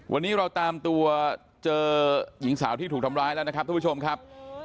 วันนี้เราตามตัวเจอหญิงสาวที่ถูกทำร้ายแล้วนะครับทุกผู้ชมครับ